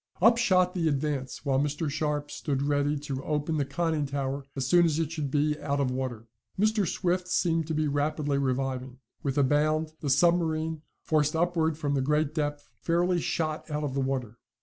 Up shot the Advance, while Mr. Sharp stood ready to open the conning tower as soon as it should be out of water. Mr. Swift seemed to be rapidly reviving. With a bound the submarine, forced upward from the great depth, fairly shot out of the water.